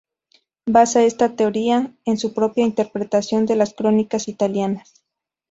Basa esta teoría en su propia interpretación de las crónicas italianas.